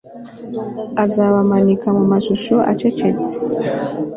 azabamanika mumashusho acecetse